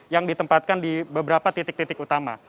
yang ditempatkan di beberapa titik titik utama